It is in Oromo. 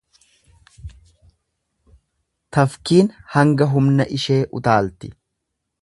Tafkiin hanga humna ishee utaalti.